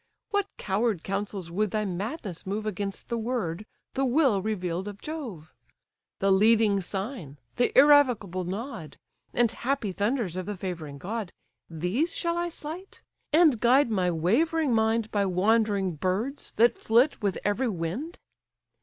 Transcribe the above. What coward counsels would thy madness move Against the word, the will reveal'd of Jove? The leading sign, the irrevocable nod, And happy thunders of the favouring god, These shall I slight, and guide my wavering mind By wandering birds that flit with every wind?